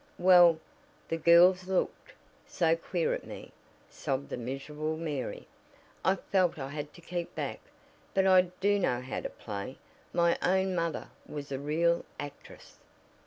"Well, the girls looked so queer at me," sobbed the miserable Mary. "I felt I had to keep back. But I do know how to play. My own mother was a real actress."